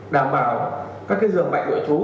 đảm bảo các dường bệnh nội trú